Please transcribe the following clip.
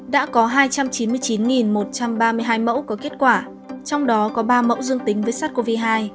đã có hai trăm chín mươi chín một trăm ba mươi hai mẫu có kết quả trong đó có ba mẫu dương tính với sars cov hai